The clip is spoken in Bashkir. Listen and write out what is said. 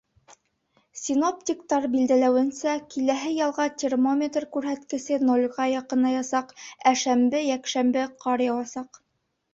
Синоптиктар билдәләүенсә, киләһе ялға термометр күрһәткесе нолгә яҡынаясаҡ, ә шәмбе, йәкшәмбе ҡар яуасаҡ.